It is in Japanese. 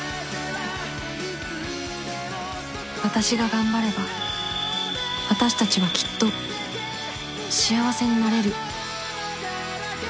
私が頑張れば私たちはきっと幸せになれる